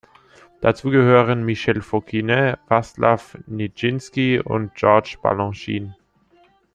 Dazu gehören Michel Fokine, Vaslav Nijinsky und George Balanchine.